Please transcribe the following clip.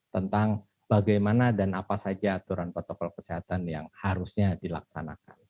tentang bagaimana dan apa saja aturan protokol kesehatan yang harusnya dilaksanakan